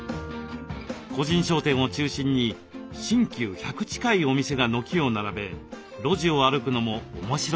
個人商店を中心に新旧１００近いお店が軒を並べ路地を歩くのも面白いそうです。